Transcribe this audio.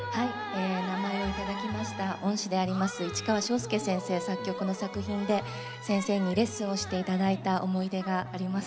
名前をいただいた恩師である市川昭介先生作曲の作品で先生にレッスンをしていただいた思い出があります。